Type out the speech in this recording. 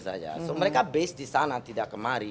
saja so mereka base di sana tidak kemari